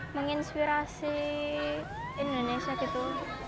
menginspirasi indonesia gitu